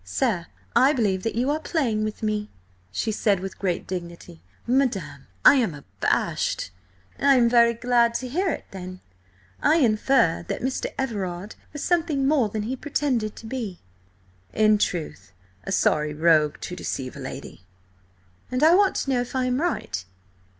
"Sir, I believe that you are playing with me," she said with great dignity. "Madam, I am abashed." "I am very glad to hear it, then. I infer that Mr. Everard was something more than he pretended to be." "In truth, a sorry rogue to deceive a lady." "And I want to know if I am right.